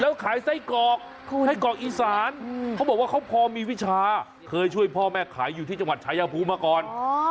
แล้วขายไส้กรอกไส้กรอกอีสานเขาบอกว่าเขาพอมีวิชาเคยช่วยพ่อแม่ขายอยู่ที่จังหวัดชายภูมิมาก่อน